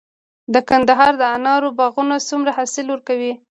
د کندهار د انارو باغونه څومره حاصل ورکوي؟